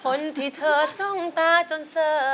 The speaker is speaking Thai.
คนที่เธอจ้องตาจนเสอ